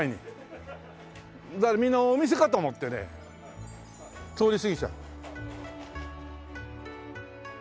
だからみんなお店かと思ってね通り過ぎちゃう。